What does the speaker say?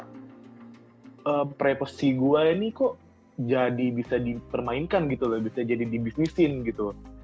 karena preposisi gue ini kok jadi bisa dipermainkan gitu loh bisa jadi dibisnisin gitu